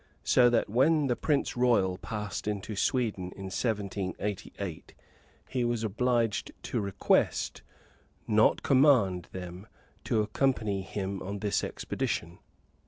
So that when the Prince Royal passed into Sweden in 1788, he was obliged to request, not command, them to accompany him on this expedition.